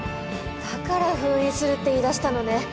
だから封印するって言いだしたのね。